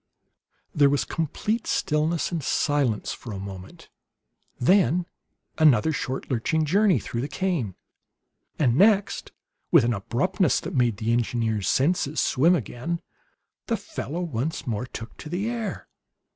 There was complete stillness and silence for a moment, then another short lurching journey through the cane; and next, with an abruptness that made the engineer's senses swim again, the fellow once more took to the air.